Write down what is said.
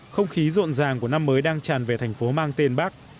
không khí rộn ràng của năm mới đang tràn về thành phố mang tên bắc